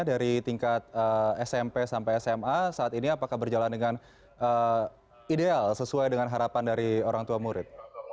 dari tingkat smp sampai sma saat ini apakah berjalan dengan ideal sesuai dengan harapan dari orang tua murid